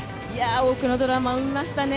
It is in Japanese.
多くのドラマを生みましたね。